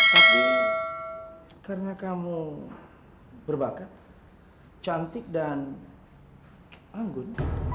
tapi karena kamu berbakat cantik dan anggun